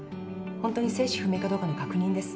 ホントに生死不明かどうかの確認です。